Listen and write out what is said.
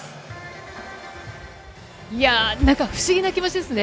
いやぁ、なんか不思議な気持ちですね。